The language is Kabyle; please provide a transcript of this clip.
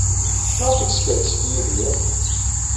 Maɣef ay yeskerkes ɣef Yidir?